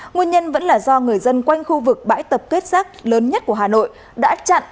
nguyên nhân vẫn là do người dân quanh khu vực bãi tập kết rác lớn nhất của hà nội đã chặn